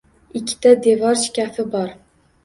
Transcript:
Ikkita devor shkafi bor.